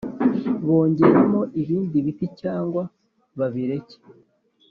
bongeramo ibindi biti cyangwa babireka